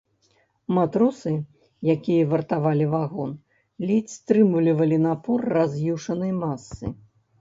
Матросы, якія вартавалі вагон, ледзь стрымлівалі напор раз'юшанай масы.